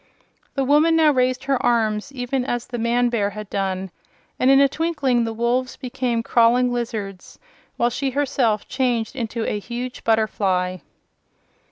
The woman now raised her arms, even as the man bear had done, and in a twinkling the wolves became crawling lizards, while she herself changed into a huge butterfly.